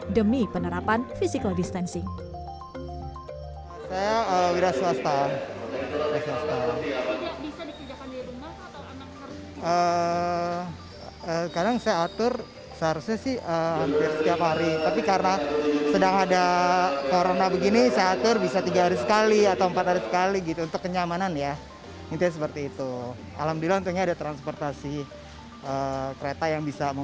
demi penerapan physical distancing